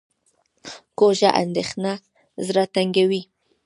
کوږه اندېښنه زړه تنګوي